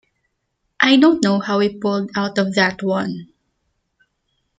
I don't know how we pulled out of that one.